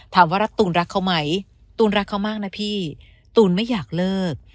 รัฐตูนรักเขาไหมตูนรักเขามากนะพี่ตูนไม่อยากเลิก